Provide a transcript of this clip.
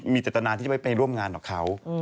มีจตนาที่จะไม่ไปร่วมงานกับเขา